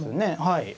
はい。